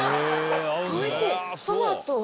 おいしい。